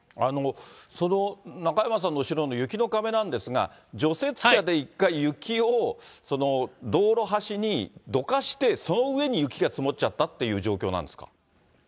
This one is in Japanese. その中山さんの後ろの雪の壁なんですが、除雪車で一回、雪を道路端にどかして、その上に雪が積もっちゃったっていう感じなんですか。